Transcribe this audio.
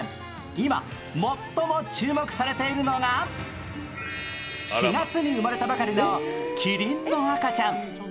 今、最も注目されているのが、４月に生まれたばかりのきりんの赤ちゃん。